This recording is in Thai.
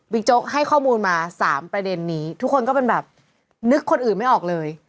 โจ๊กให้ข้อมูลมา๓ประเด็นนี้ทุกคนก็เป็นแบบนึกคนอื่นไม่ออกเลย